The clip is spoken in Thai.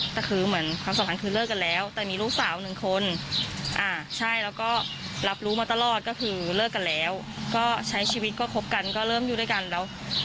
แต่คือเหมือนความสัมพันธ์คือเลิกกันแล้วแต่มีลูกสาวหนึ่งคนอ่าใช่แล้วก็รับรู้มาตลอดก็คือเลิกกันแล้วก็ใช้ชีวิตก็คบกันก็เริ่มอยู่ด้วยกันแล้ว